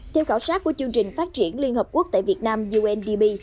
theo khảo sát của chương trình phát triển liên hợp quốc tại việt nam undp